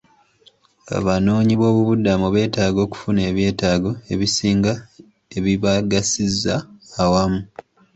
Abanoonyiboobubudamu beetaaga okufuna ebyetaago ebisinga ebibagasiza awamu.